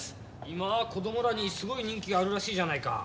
今子どもらにすごい人気あるらしいじゃないか。